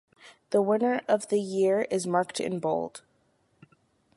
The winner of the year is marked in bold.